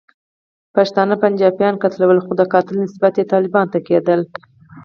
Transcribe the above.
پښتانه پنجابیانو قتلول، خو د قاتل نسبیت یې طالبانو ته کېدلو.